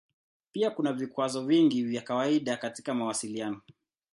Pia kuna vikwazo vingi vya kawaida katika mawasiliano.